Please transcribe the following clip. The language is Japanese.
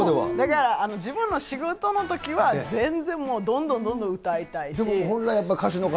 だから自分の仕事のときでは、全然もうどんどんどんどん歌いたいし。